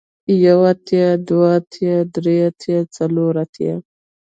يو اتيا دوه اتيا درې اتيا څلور اتيا